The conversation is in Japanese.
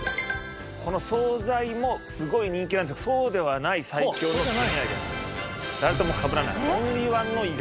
この惣菜もすごい人気なんですけどそうではない最強の手土産。